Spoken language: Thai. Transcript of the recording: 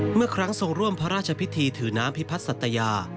เมื่อครั้งทรงร่วมพระราชพิธีถือน้ำพิพัฒนสัตยา